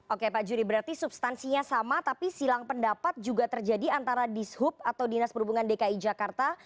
oke pak juri berarti substansinya sama tapi silang pendapat juga terjadi antara dishub atau dinas perhubungan dki jakarta